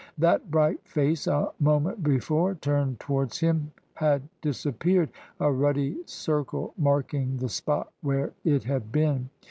That bright face a moment before turned towards him had disappeared, a ruddy circle marking the spot where it had been.